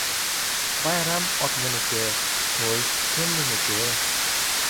• Bayram otliniki, to‘y to‘nliniki.